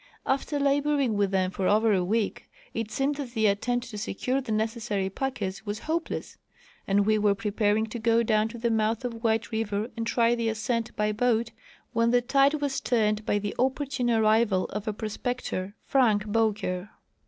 After laboring with them for over a week it seemed that the attempt to secure the necessary packers was hopele&s, and Ave were preparing to go down to the mouth of White river and try the ascent by boat, when the tide was turned by the opportune arrival of a prospector, Frank Bowker.